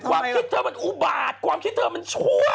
ความคิดเธอมันอุบาตความคิดเธอมันชั่ว